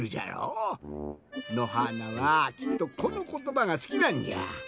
のはーなはきっとこのことばがすきなんじゃ。